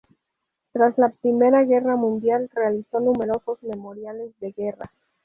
Tras la Primera Guerra Mundial realizó numerosos Memoriales de Guerra.